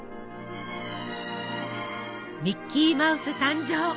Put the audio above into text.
ミッキーマウス誕生！